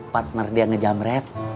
partner dia ngejamret